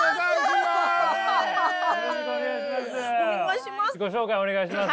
よろしくお願いします。